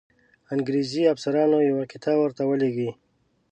د انګرېزي افسرانو یوه قطعه ورته ولیږي.